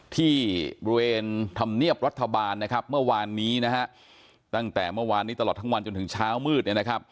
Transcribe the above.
ที่บริเวณธรรมเนียบรัฐบาลเมื่อวานนี้ตั้งแต่เมื่อวานนี้ตลอดทั้งวันจนถึงเช้ามืด